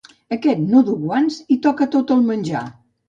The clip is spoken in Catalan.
Aquest no duu guants i toca tot el menjar